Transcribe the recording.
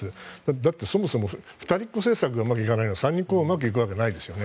だってそもそも２人がうまくいっていないのに３人がうまくいくわけないですね。